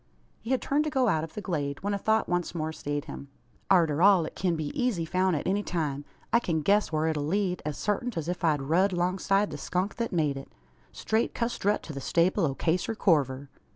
He had turned to go out of the glade, when a thought once more stayed him. "Arter all, it kin be eezy foun' at any time. I kin guess whar it'll lead, as sartint, as if I'd rud 'longside the skunk thet made it straight custrut to the stable o' Caser Corver.